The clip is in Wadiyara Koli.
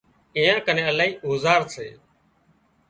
ايئان ڪنين الاهي اوزار سي